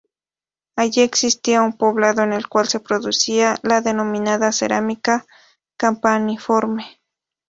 Allí existía un poblado en el cual se producía la denominada cerámica campaniforme.